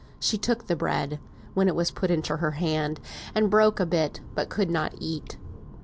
She took the bread, when it was put into her hand, and broke a bit, but could not eat.